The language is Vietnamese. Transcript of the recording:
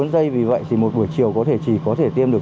bốn dây vì vậy thì một buổi chiều chỉ có thể tiêm được